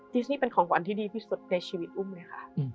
ที่นี่เป็นของขวัญที่ดีที่สุดในชีวิตอุ้มเลยค่ะ